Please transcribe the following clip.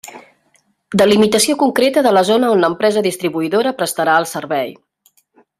Delimitació concreta de la zona on l'empresa distribuïdora prestarà el servei.